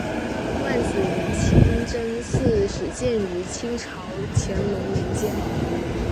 万子营清真寺始建于清朝乾隆年间。